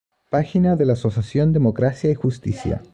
Página de la asociación Democracia y Justicia